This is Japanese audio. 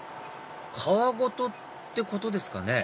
皮ごとってことですかね？